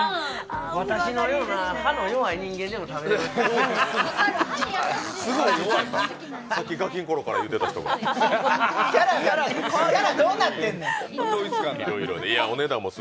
私のような歯の弱い人間でも食べられます。